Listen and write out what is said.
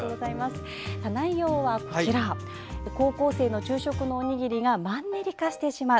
内容は高校生の昼食のおにぎりがマンネリ化してしまう。